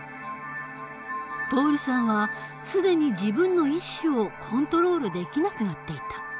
徹さんは既に自分の意思をコントロールできなくなっていた。